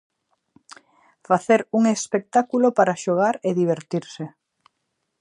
Facer un espectáculo para xogar e divertirse.